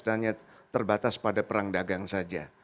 hanya terbatas pada perang dagang saja